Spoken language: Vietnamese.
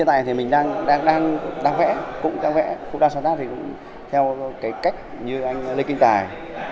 cũng đang vẽ cũng đang sáng tác thì cũng theo cái cách như anh lê kinh tài